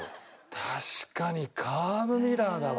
確かにカーブミラーだわ。